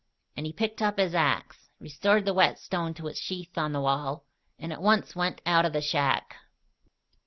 And he picked up his axe, restored the whetstone to its sheath on the wall, and at once went out of the shack.